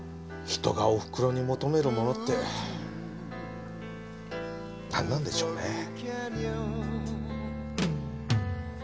人がおふくろに求めるものって何なんでしょうね？